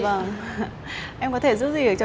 bảo tàng mang tên bảo tàng henry vagmatio